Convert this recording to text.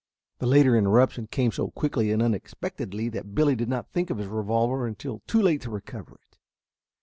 The later interruption came so quickly and unexpectedly that Billy did not think of his revolver until too late to recover it.